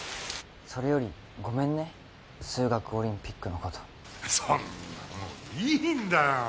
それよりごめんね数学オリンピックのことそんなもんいいんだよ